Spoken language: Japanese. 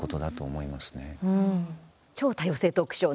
「超多様性トークショー！